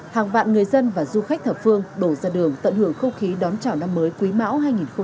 hàng vạn người dân và du khách thợ phương đổ ra đường tận hưởng khâu khí đón trào năm mới quý mão hai nghìn hai mươi ba